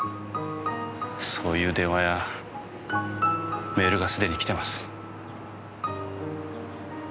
そういう電話やメールが既にきてます。